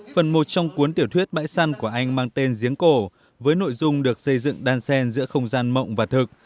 phần một trong cuốn tiểu thuyết bãi săn của anh mang tên giếng cổ với nội dung được xây dựng đan sen giữa không gian mộng và thực